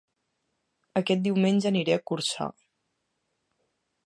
Aquest diumenge aniré a Corçà